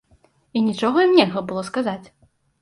І нічога ім нельга было сказаць.